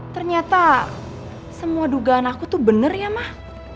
ternyata semua dugaan aku tuh bener ya mah